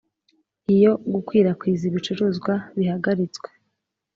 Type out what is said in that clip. Iyo gukwirakwiza ibicuruzwa bihagaritswe